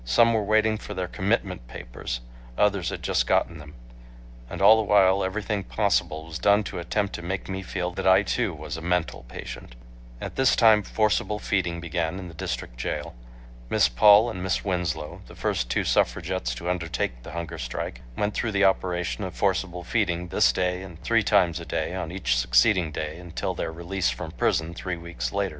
Some were waiting for their commitment papers. Others had just gotten them. And all the while everything possible was done to attempt to make me feel that I too was a "mental patient." At this time forcible feeding began in the District Jail. Miss Paul and Miss Winslow, the first two suffragists to undertake the hunger strike, went through the operation of forcible feeding this day and three times a day on each succeeding day until their release from prison three weeks later.